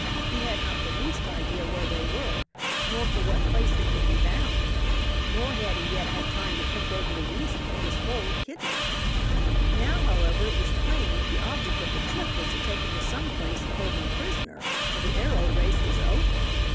He had not the least idea where they were, nor for what place they could be bound. Nor had he yet had time to think over the reason for this bold kidnapping. Now, however, it was plain that the object of the trip was to take him to some place and hold him prisoner till the aero race was over.